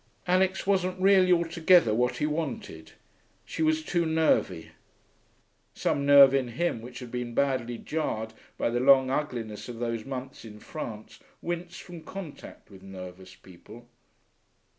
Alix wasn't really altogether what he wanted. She was too nervy. Some nerve in him which had been badly jarred by the long ugliness of those months in France winced from contact with nervous people.